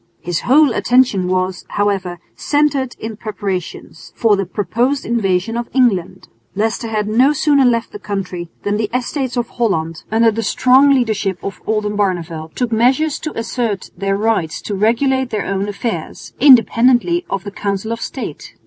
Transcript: His whole attention was, however, centred in preparations for the proposed invasion of England. Leicester had no sooner left the country than the Estates of Holland, under the strong leadership of Oldenbarneveldt, took measures to assert their right to regulate their own affairs, independently of the Council of State.